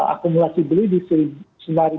akumulasi beli di sembilan enam ratus sampai sepuluh seratus